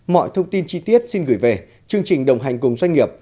mọi thông tin chi tiết xin gửi về chương trình đồng hành cùng doanh nghiệp